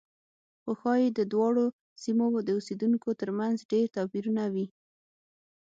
خو ښایي د دواړو سیمو د اوسېدونکو ترمنځ ډېر توپیرونه وي.